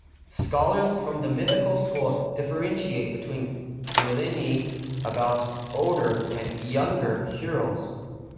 Scholars from the mythological school differentiate between byliny about 'older' and 'younger' heroes.